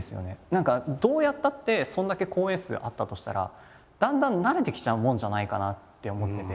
何かどうやったってそれだけ公演数あったとしたらだんだん慣れてきちゃうもんじゃないかなって思ってて。